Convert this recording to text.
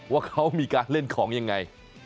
ว่าเขามีการเล่นของยังไง